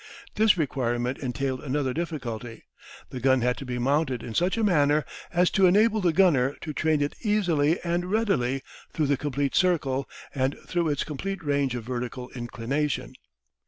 This requirement entailed another difficulty. The gun had to be mounted in such a manner as to enable the gunner to train it easily and readily through the complete circle and through its complete range of vertical inclination.